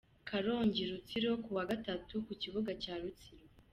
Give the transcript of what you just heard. Karongi-Rutsiro : Kuwa Gatatu ku kibuga cya Rutsiro.